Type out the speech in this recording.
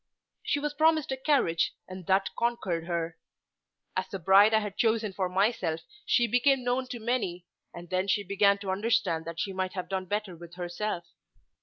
She was promised a carriage, and that conquered her. As the bride I had chosen for myself she became known to many, and then she began to understand that she might have done better with herself.